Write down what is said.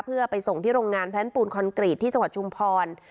เพื่อไปส่งที่โรงงานนี้จังหวัดชุมพร